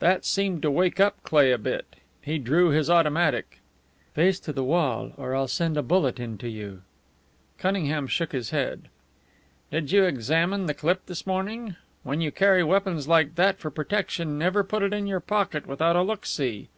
That seemed to wake up Cleigh a bit. He drew his automatic. "Face to the wall, or I'll send a bullet into you!" Cunningham shook his head. "Did you examine the clip this morning? When you carry weapons like that for protection never put it in your pocket without a look see.